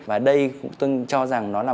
và đây tôi cho rằng nó là